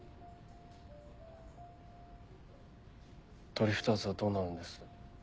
ドリフターズはどうなるんです？